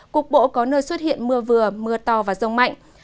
cục bộ có nơi xuất hiện mưa vừa mưa to và rông mạnh